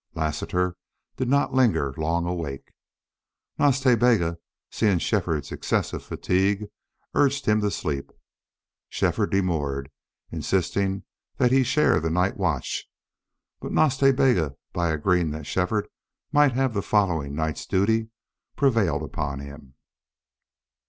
Lassiter did not linger long awake. Nas Ta Bega, seeing Shefford's excessive fatigue, urged him to sleep. Shefford demurred, insisting that he share the night watch. But Nas Ta Bega, by agreeing that Shefford might have the following night's duty, prevailed upon him.